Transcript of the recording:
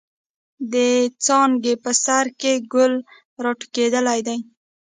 د څانګې په سر کښې ګل را ټوكېدلے دے۔